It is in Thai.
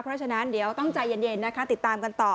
เพราะฉะนั้นเดี๋ยวต้องใจเย็นนะคะติดตามกันต่อ